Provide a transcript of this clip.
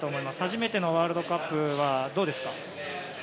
初めてのワールドカップはどうですか。